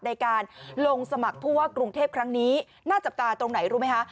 ในการลงสมัครผู้ว่ากรุงเทพครั้งนี้น่าจับตาตรงไหนรู้ไหมคะ